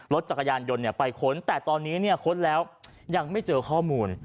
รถจักรยานยนต์ไปค้นแต่ตอนนี้ค้นแล้วยังไม่เจอข้อมูล